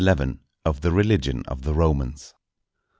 —_Of the Religion of the Romans.